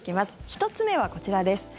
１つ目はこちらです。